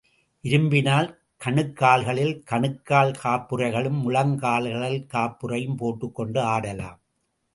விரும்பினால், கணுக்கால்களில் கணுக்கால் காப்புறையும், முழங்கால்களில் காப்புறையும் போட்டுக்கொண்டு ஆடலாம்.